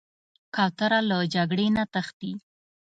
کوتره له جګړې نه تښتي.